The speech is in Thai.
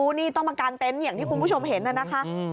ไปดูนี่ต้องมาการเต้นอย่างที่คุณผู้ชมเห็นนะคะ